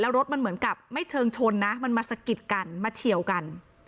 รถมันเหมือนกับไม่เชิงชนนะมันมาสะกิดกันมาเฉียวกัน